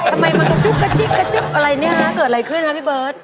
ทำไมมันกระจุกกระจิ๊บกระจิ๊บอะไรเนี่ยฮะเกิดอะไรขึ้นฮะพี่เบิร์ต